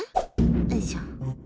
よいしょ。